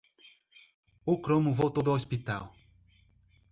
O cromo voltou do hospital.